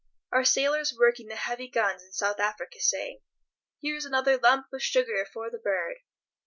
Our sailors working the heavy guns in South Africa sang: "Here's another lump of sugar for the Bird."